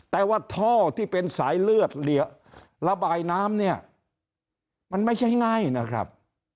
แต่ว่าท่อที่เป็นสายเลือดระบายน้ำเนี่ยมันไม่ใช่ง่ายนะครับ